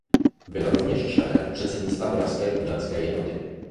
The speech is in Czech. Byl rovněž členem předsednictva Moravské umělecké jednoty.